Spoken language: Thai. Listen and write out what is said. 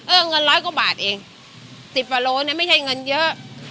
เงินร้อยกว่าบาทเอง๑๐กว่าโลเนี่ยไม่ใช่เงินเยอะ